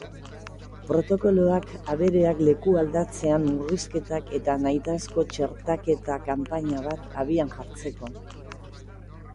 Protokoloak abereak lekualdatzean murrizketak eta nahitaezko txertaketa-kanpaina bat abian jartzeko derrigortasuna ezartzen ditu.